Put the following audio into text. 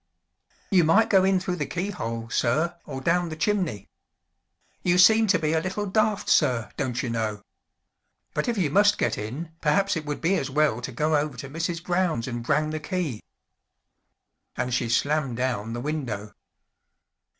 "You might go in through the keyhole, sir, or down the chimney. You seem to be a little daft, sir, don't you know! But if you must get in, perhaps it would be as well to go over to Mrs. Brown's and brang the key," and she slammed down the window.